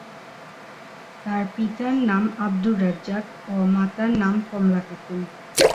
তার পিতার নাম আব্দুর রাজ্জাক ও মাতার নাম কমলা খাতুন।